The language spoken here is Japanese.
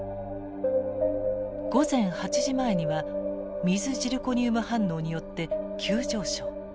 午前８時前には水ジルコニウム反応によって急上昇。